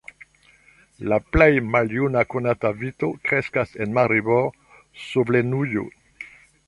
La plej maljuna konata vito kreskas en Maribor, Slovenujo.